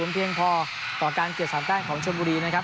เพียงพอต่อการเก็บ๓แต้มของชนบุรีนะครับ